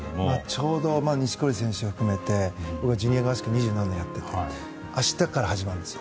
ちょうど錦織選手を含めてジュニア合宿、二十何年やって明日から始まるんです。